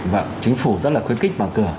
vâng chính phủ rất là khuyến khích mở cửa